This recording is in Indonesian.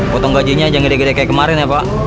potong gajinya ajang gede gede kayak kemarin ya pak